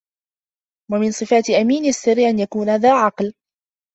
وَمِنْ صِفَاتِ أَمِينِ السِّرِّ أَنْ يَكُونَ ذَا عَقْلٍ